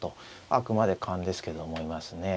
あくまで勘ですけど思いますね。